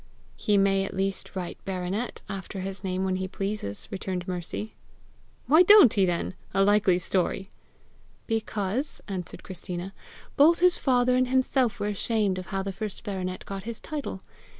"He may at least write BARONET after his name when he pleases," returned Mercy. "Why don't he then? A likely story!" "Because," answered Christina, "both his father and himself were ashamed of how the first baronet got his title.